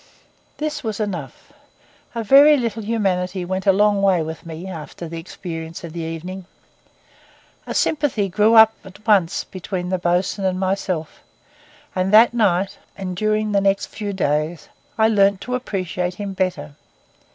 This was enough. A very little humanity went a long way with me after the experience of the evening. A sympathy grew up at once between the bo's'un and myself; and that night, and during the next few days, I learned to appreciate him better.